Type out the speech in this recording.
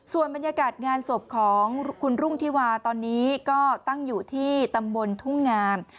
ส่วนบรรยากาศงานศพของคุณรุ่งธิวาตอนนี้ก็ตั้งอยู่ที่ตำบลทุ่งงาม